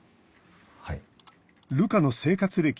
はい。